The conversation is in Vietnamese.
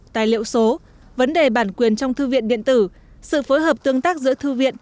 tài liệu số vấn đề bản quyền trong thư viện điện tử sự phối hợp tương tác giữa thư viện